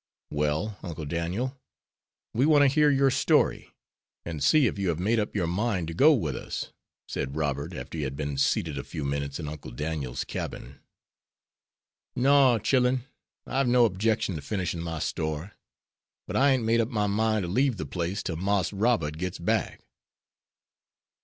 "Well, Uncle Daniel, we want to hear your story, and see if you have made up your mind to go with us," said Robert, after he had been seated a few minutes in Uncle Daniel's cabin. "No, chillen, I've no objection to finishin' my story, but I ain't made up my mind to leave the place till Marse Robert gits back."